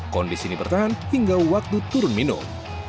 kondisi ini bertahan hingga waktu turun minum